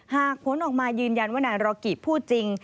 หากผลออกมายืนยันว่านายรอกิพูดจริง